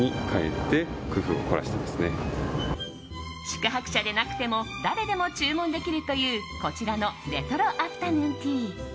宿泊者でなくても誰でも注文できるというこちらのレトロアフタヌーンティー。